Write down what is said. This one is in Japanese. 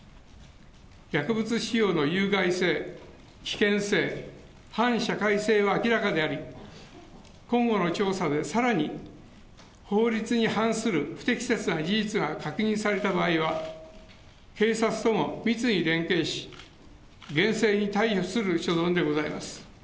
薬物使用の有害性、危険性、反社会性は明らかであり、今後の調査でさらに法律に反する不適切な事実が確認された場合は、警察とも密に連携し、厳正に対処する所存でございます。